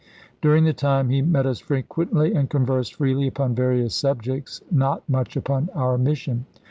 During the time, he met us frequently and conversed freely upon various subjects, not much upon our s^waern8' mission.